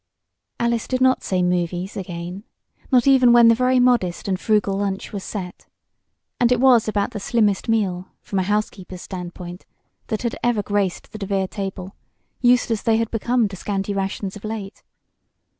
Alice did not say "movies" again, not even when the very modest and frugal lunch was set. And it was about the "slimmest" meal, from a housekeeper's standpoint, that had ever graced the DeVere table, used as they had become to scanty rations of late.